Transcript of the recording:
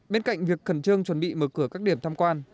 bên cạnh việc khẩn trương chuẩn bị mở cửa các điểm tham quan